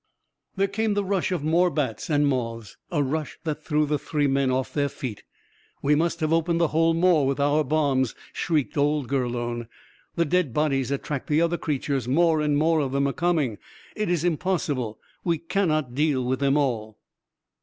There came the rush of more bats and moths, a rush that threw the three men off their feet. "We must have opened the hole more with our bombs," shrieked old Gurlone. "The dead bodies attract the other creatures, more and more of them are coming. It is impossible; we cannot deal with them all."